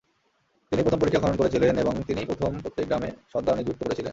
তিনিই প্রথম পরিখা খনন করেছিলেন এবং তিনিই প্রথম প্রত্যেক গ্রামে সর্দার নিযুক্ত করেছিলেন।